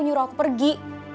nyuruh aku pergi